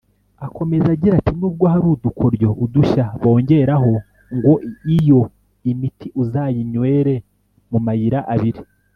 Akomeza agira ati “Nubwo hari udukoryo (udushya) bongeraho ngo iyo miti uzayinywere mu mayira abiri